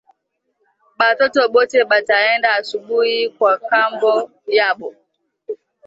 Batoto bote ba taenda asubui kwa kambo yabo